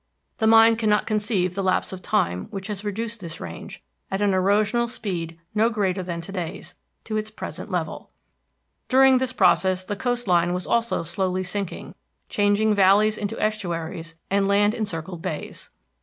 The mind cannot conceive the lapse of time which has reduced this range, at an erosional speed no greater than to day's, to its present level. During this process the coast line was also slowly sinking, changing valleys into estuaries and land encircled bays.